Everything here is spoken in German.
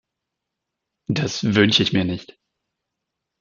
Das wünsche ich mir nicht.